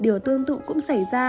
điều tương tự cũng xảy ra